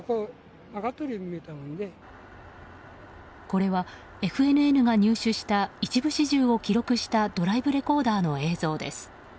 これはＦＮＮが入手した一部始終を記録したドライブレコーダーの映像です。